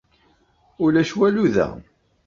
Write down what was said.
Ulac walu da.